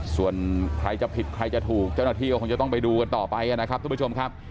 ส่วนใครจะผิดใครจะถูกเจ้าหน้าที่ก็คงจะต้องไปดูกันต่อไปนะครับทุกผู้ชมครับ